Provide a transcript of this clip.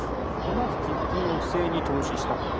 まず寄付金を不正に投資したと。